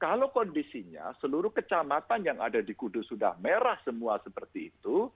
kalau kondisinya seluruh kecamatan yang ada di kudus sudah merah semua seperti itu